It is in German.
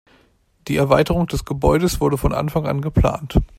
Die Erweiterung des Gebäudes wurde von Anfang an geplant.